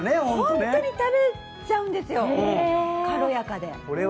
本当に食べちゃうんですよ、軽やかで。